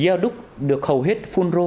yaduk được hầu hết phun rô bắt